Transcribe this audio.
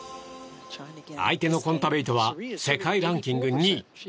相手のコンタベイトは世界ランキング２位。